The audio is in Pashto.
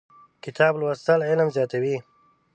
کتاب لوستل علم زیاتوي.